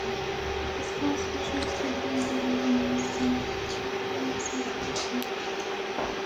His most recent compilation album is "The Trevor Nelson Collection".